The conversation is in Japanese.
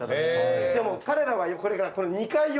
でも彼らはこれから２階を。